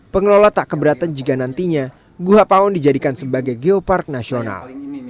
pengelola tak keberatan jika nantinya guha pawon dijadikan sebagai geopark nasional